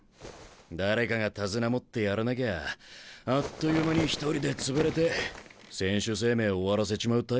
誰かが手綱持ってやらなきゃあっという間に一人で潰れて選手生命終わらせちまうタイプだ。